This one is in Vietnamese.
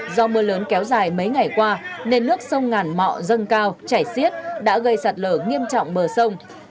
do mưa lớn kéo dài mấy ngày qua nên nước sông ngàn mọ dâng cao chảy xiết đã gây sạt lở nghiêm trọng bờ sông